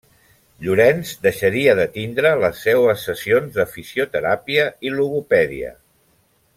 Llorenç deixaria de tindre les seues sessions de fisioteràpia i logopèdia.